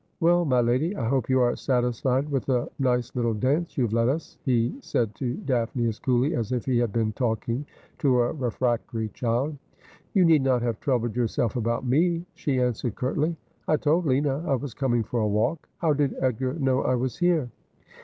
' Well, my lady, I hope you are satisfied with the nice little dance you have led us,' he said to Daphne as coolly as if he had been talking to a refractory child. ' You need not have troubled yourself about me,' she an swered curtly. ' I told Lina I was coming for a walk. How did Edgar know I was here